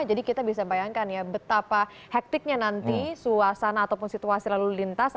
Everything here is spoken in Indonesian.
jadi kita bisa bayangkan ya betapa hektiknya nanti suasana ataupun situasi lalu lintas